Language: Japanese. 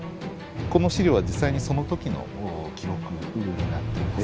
この資料は実際にその時の記録になっています。